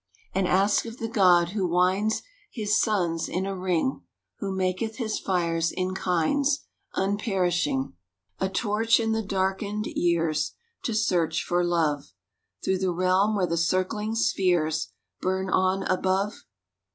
And ask of the God who winds His suns in a ring, Who maketh His fires in kinds, Unperishing, A torch in the darkened years, To search for love Through the realm where the circling spheres Burn on above?